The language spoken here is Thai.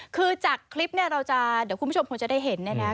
คือจากคลิปเนี่ยเราจะเดี๋ยวคุณผู้ชมคงจะได้เห็นเนี่ยนะ